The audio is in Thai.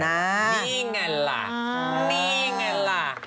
นี่ไงล่ะนี่ไงล่ะ